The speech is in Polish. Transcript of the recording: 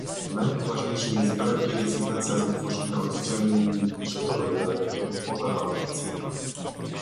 Najpoważniejszym jest brak i rezygnacja z utworzenia oddzielnej linii budżetowej dla regionu Morza Bałtyckiego